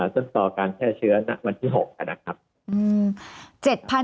ต้นต่อการแพร่เชื้อณวันที่๖นะครับ